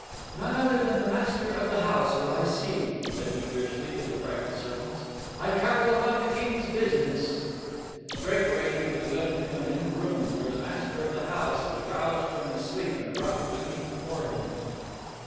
"None other than the master of the house will I see," said he fiercely to the frightened servants. "I travel upon the King's business." Straightway was he led to an inner room, where the master of the house was roused from his sleep and brought blinking before him.